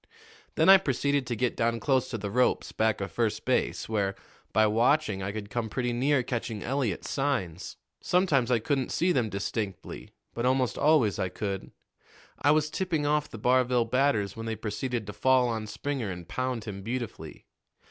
Then I proceeded to get down close to the ropes back of first base, where, by watching, I could come pretty near catching Eliot's signs. Sometimes I couldn't see them distinctly, but almost always I could. I was tipping off the Barville batters when they proceeded to fall on Springer and pound him beautifully.